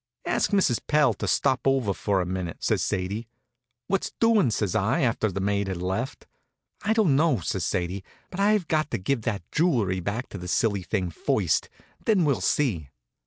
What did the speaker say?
"Ask Mrs. Pell to step over here for a minute," says Sadie. "What's doing?" says I, after the maid had left. "I don't know," says Sadie. "I've got to give that jewelry back to the silly thing first; then we'll see."